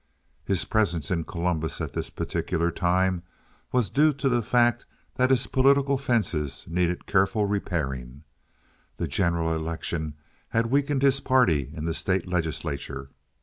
His presence in Columbus at this particular time was due to the fact that his political fences needed careful repairing. The general election had weakened his party in the State Legislature.